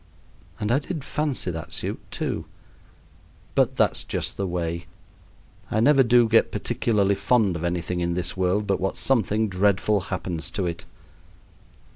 And I did fancy that suit, too. But that's just the way. I never do get particularly fond of anything in this world but what something dreadful happens to it.